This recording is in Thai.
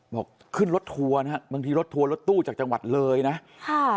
บอกขึ้นรถทัวร์นะฮะบางทีรถทัวร์รถตู้จากจังหวัดเลยนะค่ะ